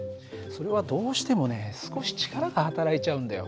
それはどうしてもね少し力がはたらいちゃうんだよ。